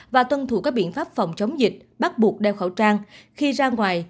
và tuân thủ các biện pháp phòng chống dịch bắt buộc đeo khẩu trang khi ra ngoài